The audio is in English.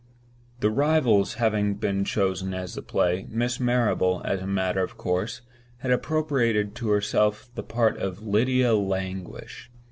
"The Rivals" having been chosen as the play, Miss Marrable, as a matter of course, appropriated to herself the part of "Lydia Languish."